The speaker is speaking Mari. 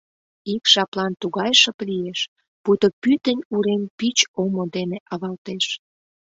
Ик жаплан тугай шып лиеш, пуйто пӱтынь урем пич омо дене авалтеш.